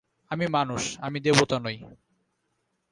আমি মানুষ, আমি দেবতা নই।